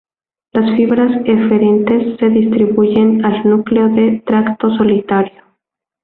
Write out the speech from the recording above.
Las fibras eferentes se distribuyen al núcleo del tracto solitario.